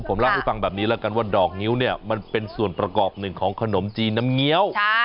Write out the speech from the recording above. ผมเล่าให้ฟังแบบนี้แล้วกันว่าดอกงิ้วเนี่ยมันเป็นส่วนประกอบหนึ่งของขนมจีนน้ำเงี้ยว